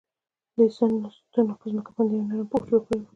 دې ستنو په ځمکه باندې یو نرم پوښ جوړ کړی و